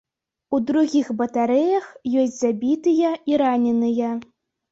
У другіх батарэях ёсць забітыя і раненыя.